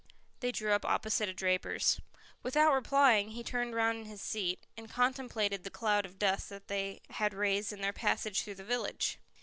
They drew up opposite a draper's. Without replying, he turned round in his seat, and contemplated the cloud of dust that they had raised in their passage through the village.